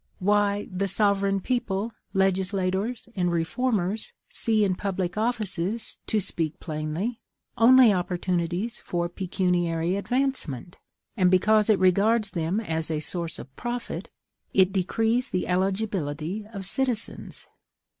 Why! the sovereign people, legislators, and reformers, see in public offices, to speak plainly, only opportunities for pecuniary advancement. And, because it regards them as a source of profit, it decrees the eligibility of citizens.